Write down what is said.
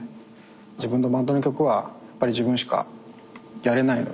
自分のバンドの曲はやっぱり自分しかやれないので。